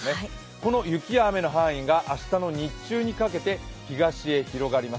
この雪や雨の範囲が明日の日中にかけて東へ広がります。